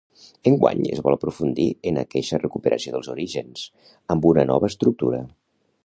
Enguany es vol aprofundir en aqueixa recuperació dels orígens amb una nova estructura.